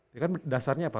dia kan dasarnya apa